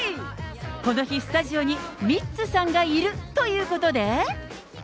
この日、スタジオにミッツさんがいるということで。